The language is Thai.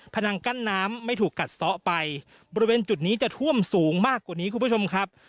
นังกั้นน้ำไม่ถูกกัดซ้อไปบริเวณจุดนี้จะท่วมสูงมากกว่านี้คุณผู้ชมครับ